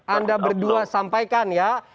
anda berdua sampaikan